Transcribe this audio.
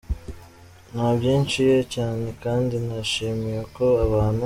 Nabyishi, iye cyane kandi nishimiye uko abantu.